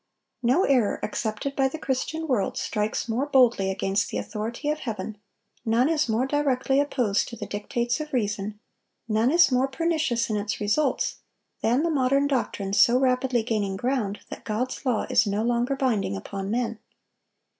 No error accepted by the Christian world strikes more boldly against the authority of Heaven, none is more directly opposed to the dictates of reason, none is more pernicious in its results, than the modern doctrine, so rapidly gaining ground, that God's law is no longer binding upon men.